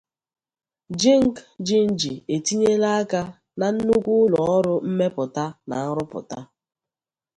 Jingjinji etinyela aka na nnukwu ụlọ ọrụ mmepụta na nrụpụta.